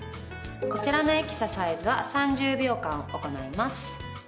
こちらのエクササイズは３０秒間行います。